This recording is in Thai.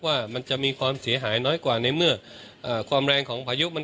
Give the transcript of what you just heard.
ว่ามันจะมีความเสียหายน้อยกว่าในเมื่อความแรงของพายุมัน